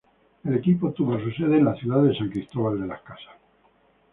El equipo tuvo su sede en la ciudad de San Cristóbal.